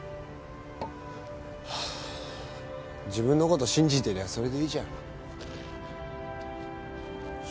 自分のこと信じてりゃそれでいいじゃん。